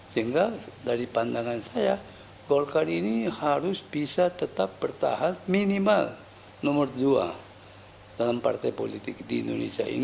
sehingga dari pandangan saya golkar ini harus bisa tetap bertahan minimal nomor dua dalam partai politik di indonesia ini